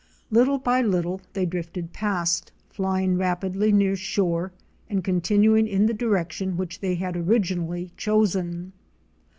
Little by little they drifted past, flying rapidly near shore, and continuing in the direction which they had originally chosen.